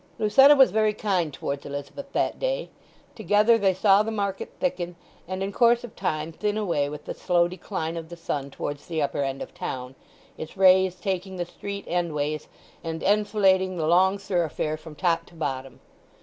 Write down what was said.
Lucetta was very kind towards Elizabeth that day. Together they saw the market thicken, and in course of time thin away with the slow decline of the sun towards the upper end of town, its rays taking the street endways and enfilading the long thoroughfare from top to bottom.